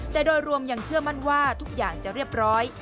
แต่โดยรวมยังเชื่อมั่นว่าทุกอย่างจะเรียบร้อย